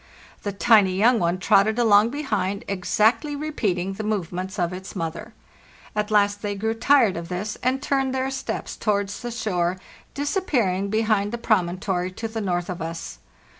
The tiny young one trotted along behind, exactly repeating the movements of its mother. At last they grew tired of this, and turned their steps towards the shore, dis appearing behind the promontory to the north of us.